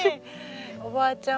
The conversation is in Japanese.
おばあちゃん